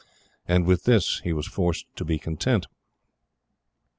And with this he was forced to be content.